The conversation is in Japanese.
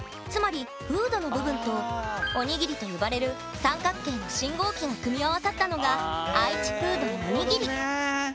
つまりフードの部分と「おにぎり」と呼ばれる三角形の信号機が組み合わさったのが「愛知フードのおにぎり」。